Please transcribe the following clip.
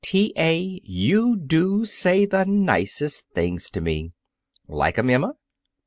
"T. A., you do say the nicest things to me." "Like 'em, Emma?"